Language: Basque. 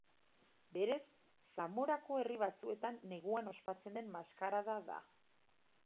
Berez, Zamorako herri batzuetan neguan ospatzen den maskarada da.